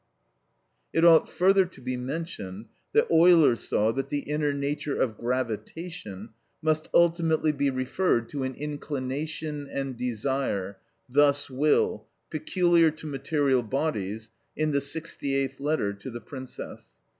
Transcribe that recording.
It ought further to be mentioned that Euler saw that the inner nature of gravitation must ultimately be referred to an "inclination and desire" (thus will) peculiar to material bodies (in the 68th letter to the Princess).